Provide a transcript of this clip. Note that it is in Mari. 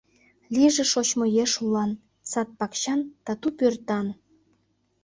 Лийже шочмо еш улан, Сад-пакчан, тату пӧртан.